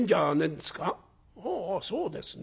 「ああそうですね。